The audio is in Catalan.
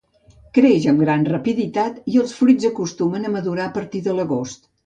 Creix amb gran rapiditat i els fruits acostumen a madurar a partir de l'agost.